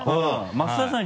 増田さん